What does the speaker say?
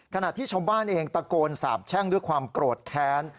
ขณะที่ชาวบ้านเองตะโกนสาบแช่งด้วยความโกรธแค้น